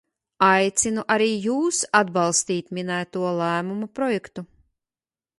Aicinu arī jūs atbalstīt minēto lēmuma projektu.